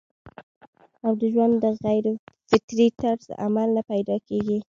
او د ژوند د غېر فطري طرز عمل نه پېدا کيږي